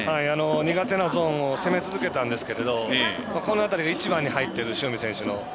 苦手なゾーンを攻め続けたんですけれどもこの辺りが１番に入っている塩見選手。